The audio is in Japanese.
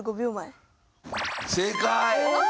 正解！